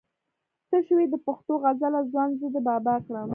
ته شوې د پښتو غزله ځوان زه دې بابا کړم